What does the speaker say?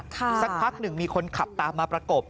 สักพักหนึ่งมีคนขับตามมาประกบ